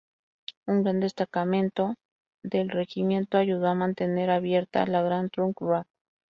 Un gran destacamento del regimiento ayudó a mantener abierta la Grand Trunk Road.